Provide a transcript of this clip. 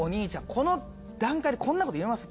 この段階でこんなこと言えます？